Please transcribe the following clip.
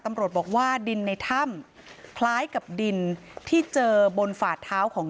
ตำรวจบอกว่าดินในถ้ำคล้ายกับดินที่เจอบนฝาดเท้าของ